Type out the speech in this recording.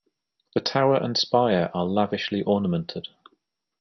The tower and spire are lavishly ornamented.